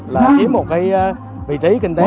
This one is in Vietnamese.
là chiếm một vị trí kinh tế